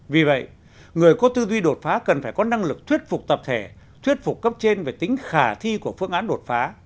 vì vậy người có tư duy đột phá cần phải có năng lực thuyết phục tập thể thuyết phục cấp trên về tính khả thi của phương án đột phá